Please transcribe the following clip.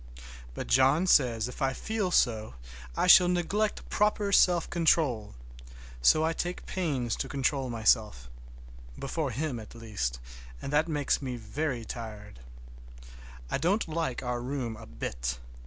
But John says if I feel so I shall neglect proper self control; so I take pains to control myself,—before him, at least,—and that makes me very tired. I don't like our room a bit.